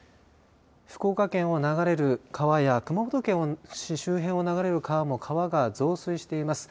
福岡県を流れる川や熊本県周辺を流れる川も増水しています。